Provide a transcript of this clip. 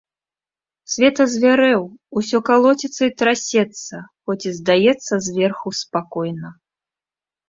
Свет азвярэў, усё калоціцца і трасецца, хоць і здаецца зверху спакойна.